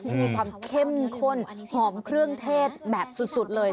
ที่มีความเข้มข้นหอมเครื่องเทศแบบสุดเลย